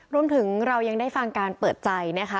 รวมถึงเรายังได้ฟังการเปิดใจนะคะ